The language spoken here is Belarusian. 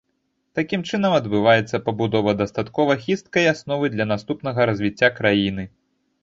Такім чынам адбываецца пабудова дастаткова хісткай асновы для наступнага развіцця краіны.